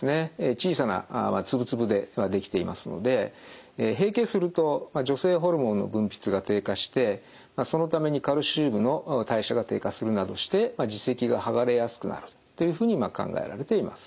小さな粒々でできていますので閉経すると女性ホルモンの分泌が低下してそのためにカルシウムの代謝が低下するなどして耳石がはがれやすくなるというふうに考えられています。